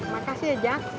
makasih ya jok